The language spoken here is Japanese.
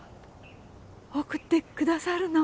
送ってくださるの？